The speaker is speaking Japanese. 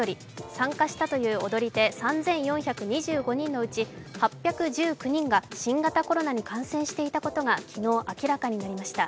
参加したという踊り手３４２５人のうち８１９人が新型コロナに感染していたことが昨日明らかになりました。